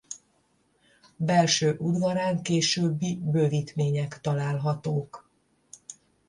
Belső udvarán későbbi bővítmények találhatók.